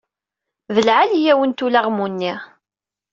D lɛali-yawen-t ulaɣmu-nni.